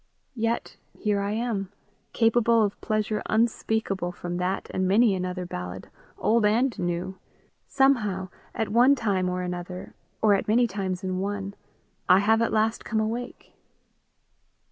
Yet here I am, capable of pleasure unspeakable from that and many another ballad, old and new! somehow, at one time or another, or at many times in one, I have at last come awake!